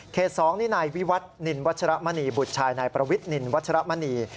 ๒นี่นายวิวัตนินวัชรมณีบุตรชายนายประวิทนินวัชรมณี